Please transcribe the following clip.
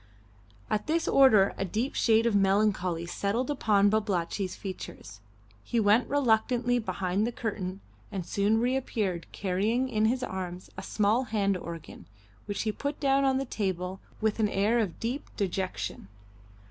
At this order a deep shade of melancholy settled upon Babalatchi's features. He went reluctantly behind the curtain and soon reappeared carrying in his arms a small hand organ, which he put down on the table with an air of deep dejection.